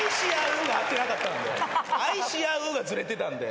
「愛し合う」がずれてたんで。